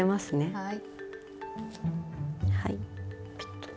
はい。